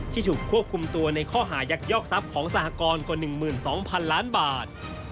ที่ถูกควบคุมตัวในข้อหายักยอกทรัพย์ของสหกรกว่า๑๒๐๐๐ล้านบาท